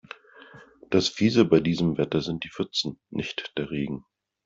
Das Fiese bei diesem Wetter sind die Pfützen, nicht der Regen.